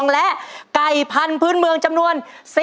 และไก่พันธุ์เมืองจำนวน